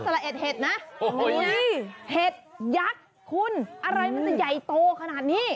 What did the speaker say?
มันจะใหญ่โตขนาดนี้